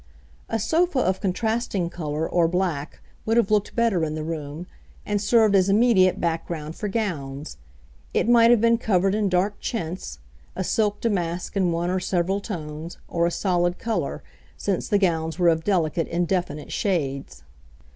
A sofa of contrasting colour, or black, would have looked better in the room, and served as immediate background for gowns. It might have been covered in dark chintz, a silk damask in one or several tones, or a solid colour, since the gowns were of delicate indefinite shades.